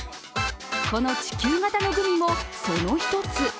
この地球型のグミもその１つ。